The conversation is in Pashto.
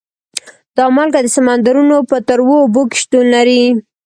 دا مالګه د سمندرونو په تروو اوبو کې شتون لري.